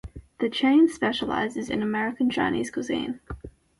The chain specializes in American Chinese cuisine.